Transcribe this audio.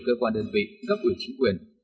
cơ quan đơn vị cấp ủy chính quyền